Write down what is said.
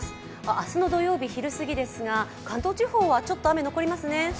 明日の土曜日、昼すぎですが関東地方はちょっと雨、残りますね。